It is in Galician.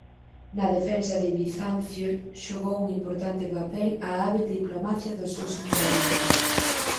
Na defensa de Bizancio xogou un importante papel a hábil diplomacia dos seus emperadores.